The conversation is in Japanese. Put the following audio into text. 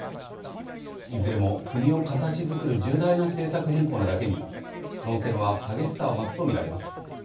いずれも国を形づくる重大な政策変更なだけに論戦は激しさを増すと見られます。